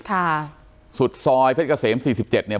ค่ะสุดซอยเพชรเกษมสี่สิบเจ็ดเนี่ย